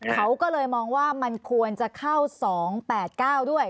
เขาก็เลยมองว่ามันควรจะเข้า๒๘๙ด้วย